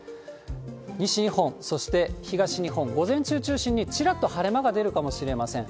西日本、そして東日本、午前中を中心にちらっと晴れ間が出るかもしれません。